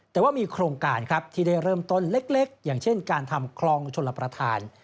แต่ว่ามีโครงการครับที่ได้เริ่มต้นเล็กอย่างเช่นการทำคลองชลประธาน